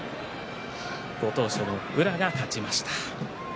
ご当所の宇良が勝ちました。